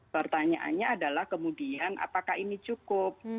pertanyaannya adalah kemudian apakah ini cukup